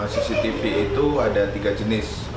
cctv itu ada tiga jenis